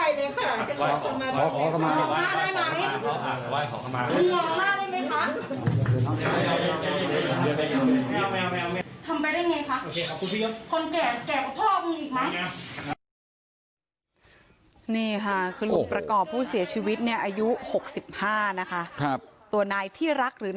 นี่ค่ะก็ลุงประกอบผู้เสียชีวิต๙๖๕ตัวนายที่รักหรือ